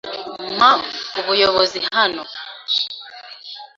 Mpa ubuyobozi hano.